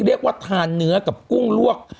เรียกว่าทานเนื้อกับกุ้งลวก